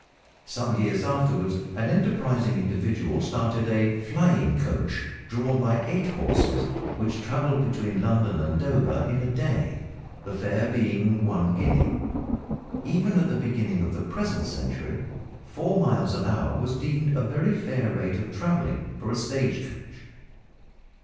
Some years afterwards an enterprising individual started a "flying coach" drawn by eight horses, which travelled between London and Dover in a day the fare being one guinea. Even at the beginning of the present century four miles an hour was deemed a very fair rate of travelling for a stage coach.